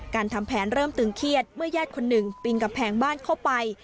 ทำแผนเริ่มตึงเครียดเมื่อญาติคนหนึ่งปีนกำแพงบ้านเข้าไป